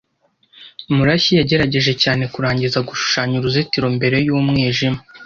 Murashyi yagerageje cyane kurangiza gushushanya uruzitiro mbere y'umwijima.